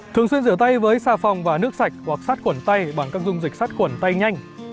thường xuyên rửa tay với xa phòng và nước sạch hoặc sát quẩn tay bằng các dung dịch sát quẩn tay nhanh